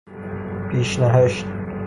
پیش نهشت